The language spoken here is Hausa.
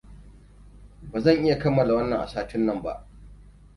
Ba zan iya kammala wannan a satin nan ba.